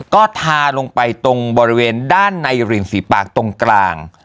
ก็ทาลงไปตรงบริเวณด้านในริมฝีปากตรงกลาง